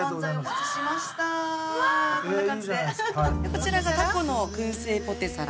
こちらがたこの燻製ポテサラ。